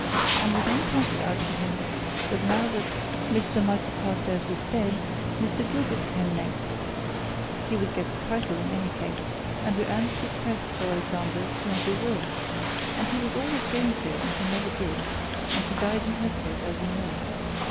And we then pointed out to him that now that Mr. Michael Carstairs was dead, Mr. Gilbert came next he would get the title, in any case and we earnestly pressed Sir Alexander to make a will. And he was always going to, and he never did and he died intestate, as you know.